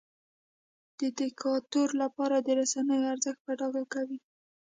د دیکتاتور لپاره د رسنیو ارزښت په ډاګه کوي.